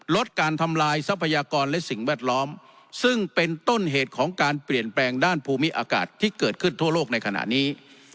ลดการทำลายทรัพยากรและสิ่งแวดล้อมซึ่งเป็นต้นเหตุของการเปลี่ยนแปลงด้านภูมิอากาศที่เกิดขึ้นทั่วโลกในขณะนี้